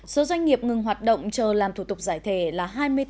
số doanh nghiệp ngừng hoạt động chờ làm thủ tục giải thể là hai mươi bốn hai trăm linh